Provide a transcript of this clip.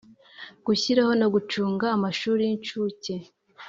Gushyiraho no gucunga amashuri y incuke